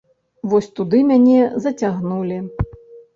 Вось туды мяне зацягнулі.